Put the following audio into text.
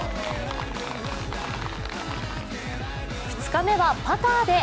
２日目はパターで。